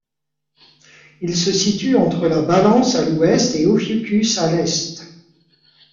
Il se situe entre la Balance à l'ouest et Ophiuchus à l'est.